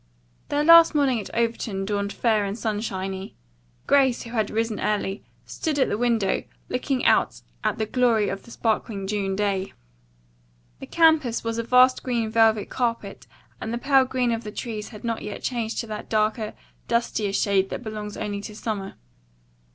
Their last morning at Overton dawned fair and sunshiny. Grace, who had risen early, stood at the window, looking out at the glory of the sparkling June day. The campus was a vast green velvet carpet and the pale green of the trees had not yet changed to that darker, dustier shade that belongs only to summer.